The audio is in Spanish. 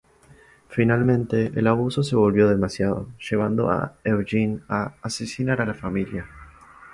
Finalmente el abuso se volvió demasiado, llevando a Eugene a asesinar a la familia.